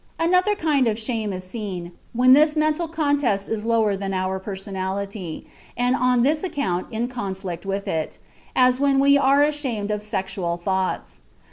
Another kind of shame is seen when this mental contest is lower than our personality, and on this account in conflict with it, as when we are ashamed of sexual thoughts.